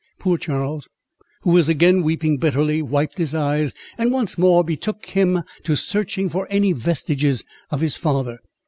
Poor Charles, who was again weeping bitterly, wiped his eyes, and once more betook him to searching for any vestiges of his father.